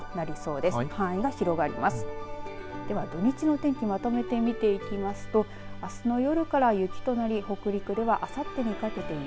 では、土日の天気をまとめて見ていきますとあすの夜から雪となり北陸では、あさってにかけて雪。